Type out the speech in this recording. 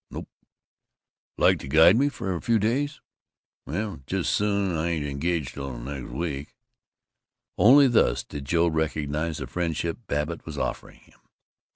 "Nope." "Like to guide me for a few days?" "Well, jus' soon. I ain't engaged till next week." Only thus did Joe recognize the friendship Babbitt was offering him.